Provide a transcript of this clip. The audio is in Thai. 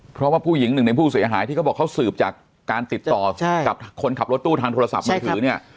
เพราะว่าผู้หญิงหนึ่งในผู้เสียหายที่เขาบอกเขาสืบจากการติดต่อกับคนขับรถตู้ทางโทรศัพท์มือถือเนี่ย